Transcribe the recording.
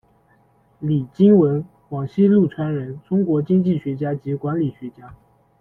李京文，广西陆川人，中国经济学家及管理学家。